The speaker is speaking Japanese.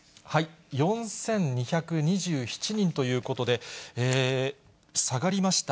４２２７人ということで、下がりました。